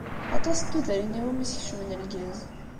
Aṭas n tudrin i wumi skecmen lgaz.